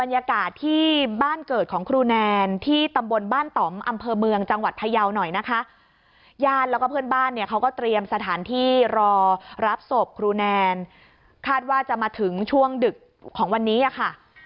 ญาติแล้วก็เพื่อนบ้านเนี่ยเขาก็เตรียมสถานที่รอรับศพครูแนนคาดว่าจะมาถึงช่วงดึกของวันนี้อะค่ะ